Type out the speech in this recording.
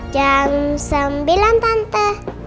jam sembilan tante